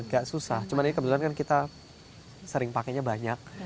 agak susah cuma ini kebetulan kan kita sering pakainya banyak